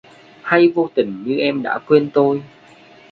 Hay vô tình như em đã quên tôi?